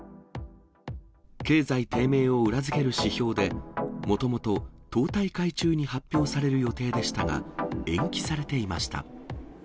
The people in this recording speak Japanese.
経済低迷を裏付ける指標で、もともと党大会中に発表される予定でしたが、延期されていました。